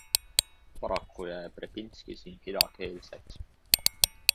Paraku jääb Repinski siin kidakeelseks.